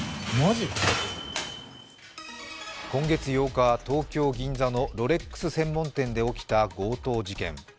今月８日、東京・銀座のロレックス専門店で起きた強盗事件。